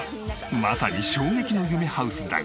まさに衝撃の夢ハウスだが。